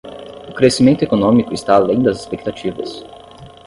O crescimento econômico está além das expectativas